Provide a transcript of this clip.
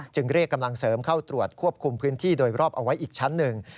เรียกกำลังเสริมเข้าตรวจควบคุมพื้นที่โดยรอบเอาไว้อีกชั้นหนึ่ง